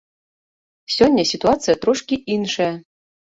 Сёння сітуацыя трошкі іншая.